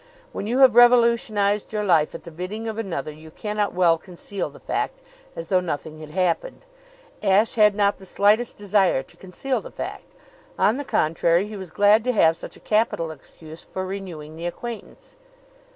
When you have revolutionized your life at the bidding of another you cannot well conceal the fact, as though nothing had happened. Ashe had not the slightest desire to conceal the fact. On the contrary, he was glad to have such a capital excuse for renewing the acquaintance.